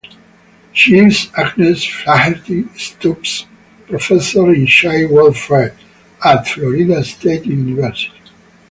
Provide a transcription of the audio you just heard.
She is Agnes Flaherty Stoops Professor in Child Welfare at Florida State University.